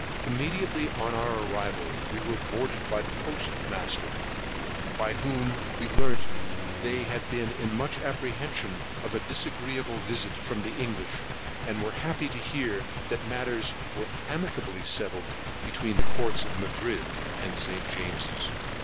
Immediately on our arrival we were boarded by the Port master, by whom we learnt they had been in much apprehension of a disagreeable visit from the English, but were happy to hear that matters were amicably settled between the Courts of Madrid and St. James's.